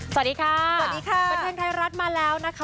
สวัสดีค่ะสวัสดีค่ะบันเทิงไทยรัฐมาแล้วนะคะ